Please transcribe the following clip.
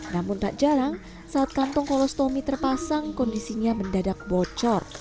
namun tak jarang saat kantong kolostomi terpasang kondisinya mendadak bocor